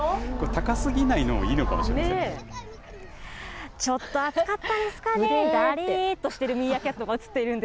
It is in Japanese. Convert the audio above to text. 高すぎないのもいいのかもしれません。